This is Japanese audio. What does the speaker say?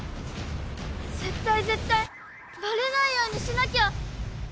絶対絶対バレないようにしなきゃ。